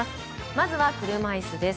まずは車いすです。